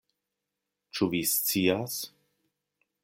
Ĉu vi scias?